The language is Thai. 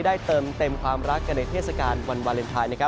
เติมเต็มความรักกันในเทศกาลวันวาเลนไทย